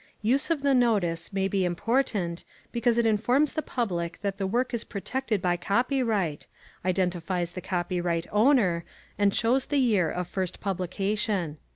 Use of the notice may be important because it informs the public that the work is protected by copyright, identifies the copyright owner, and shows the year of first publication.